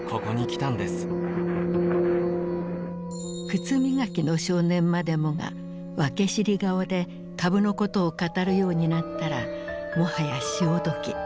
靴磨きの少年までもが訳知り顔で株のことを語るようになったらもはや潮時。